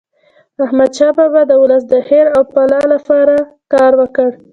احمدشاه بابا د ولس د خیر او فلاح لپاره کار وکړ.